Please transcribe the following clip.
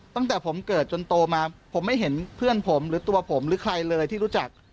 ตั้งแต่ผมเกิดจนโตมาผมไม่เห็นเพื่อนผมหรือตัวผมหรือใครเลยที่รู้จัก